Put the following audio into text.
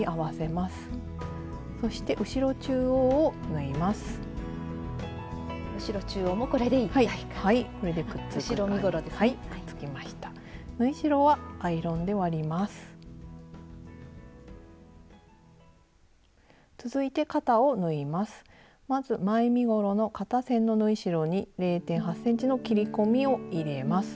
まず前身ごろの肩線の縫い代に０．８ｃｍの切り込みを入れます。